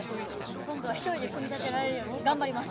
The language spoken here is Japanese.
今度は１人で組み立てられるように頑張ります。